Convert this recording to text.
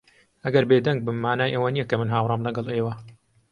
ئەگەر بێدەنگ بم، مانای ئەوە نییە کە من ھاوڕام لەگەڵ ئێوە.